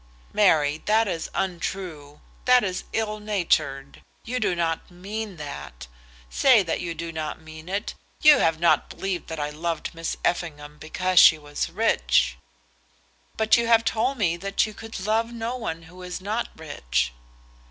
"Mary, that is untrue, that is ill natured. You do not mean that. Say that you do not mean it. You have not believed that I loved Miss Effingham because she was rich." "But you have told me that you could love no one who is not rich."